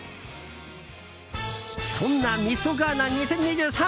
そんな味噌ガーナ２０２３